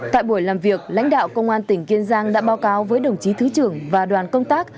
tại buổi làm việc lãnh đạo công an tỉnh kiên giang đã báo cáo với đồng chí thứ trưởng và đoàn công tác